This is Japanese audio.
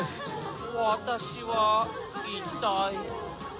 わたしはいったい。